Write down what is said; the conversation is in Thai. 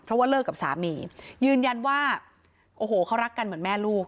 เพราะว่าเลิกกับสามียืนยันว่าโอ้โหเขารักกันเหมือนแม่ลูก